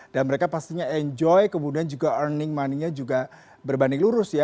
dan mereka pastinya enjoy kemudian juga earning moneynya juga berbanding lurus ya